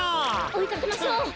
おいかけましょう。